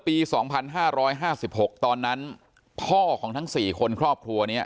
ปีสองพันห้าร้อยห้าสิบหกตอนนั้นพ่อของทั้งสี่คนครอบครัวเนี้ย